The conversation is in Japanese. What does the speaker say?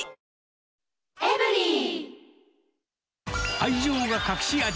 愛情が隠し味！